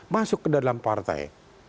masuk ke dalam partai